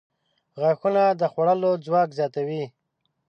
• غاښونه د خوړلو ځواک زیاتوي.